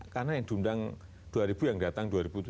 karena yang diundang dua ribu yang datang dua ribu tujuh ratus